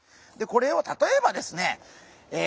これを例えばですねえ